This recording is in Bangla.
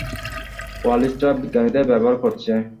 কোয়ালিস্টরা বিজ্ঞানীদের ব্যবহার করছে।